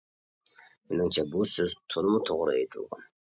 مېنىڭچە بۇ سۆز تولىمۇ توغرا ئېيتىلغان.